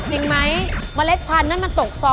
อุปกรณ์ทำสวนชนิดใดราคาถูกที่สุด